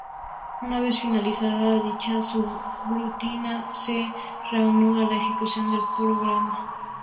Una vez finalizada dicha subrutina, se reanuda la ejecución del programa.